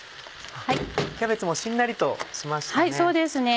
キャベツもしんなりとしましたね。